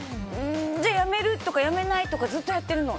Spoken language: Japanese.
で、やめるとかやめないとかずっとやってるの。